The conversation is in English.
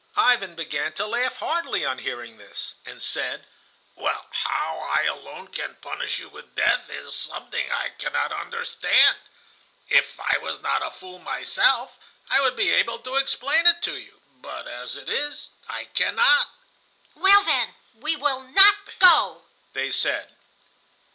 Ivan began to laugh heartily on hearing this, and said: "Well, how I alone can punish you with death is something I cannot understand. If I was not a fool myself I would be able to explain it to you, but as it is I cannot." "Well, then, we will not go," they said.